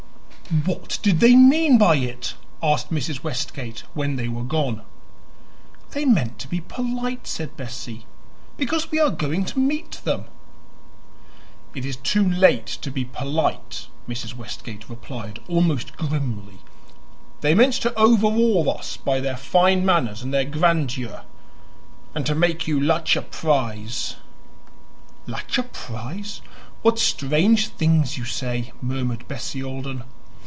"What did they mean by it?" asked Mrs. Westgate, when they were gone. "They meant to be polite," said Bessie, "because we are going to meet them." "It is too late to be polite," Mrs. Westgate replied almost grimly. "They meant to overawe us by their fine manners and their grandeur, and to make you LACHER PRISE." "LACHER PRISE? What strange things you say!" murmured Bessie Alden.